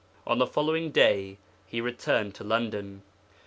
On the following day He returned to London.